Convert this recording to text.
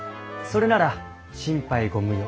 それなら心配ご無用。